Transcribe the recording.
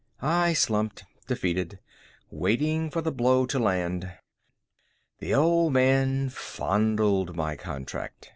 I slumped, defeated, waiting for the blow to land. The Old Man fondled my contract.